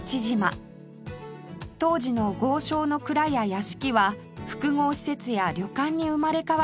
当時の豪商の蔵や屋敷は複合施設や旅館に生まれ変わり